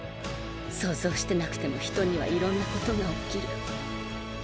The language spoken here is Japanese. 想像してなくても人にはいろんなことが起きる。